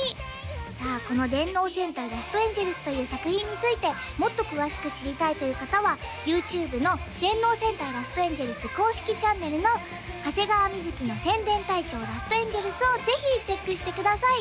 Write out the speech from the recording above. さあこの「電脳戦隊ラストエンジェルス」という作品についてもっと詳しく知りたいという方はＹｏｕＴｕｂｅの電脳戦隊ラストエンジェルス公式チャンネルの長谷川瑞の「宣伝隊長ラストエンジェルス」をぜひチェックしてください！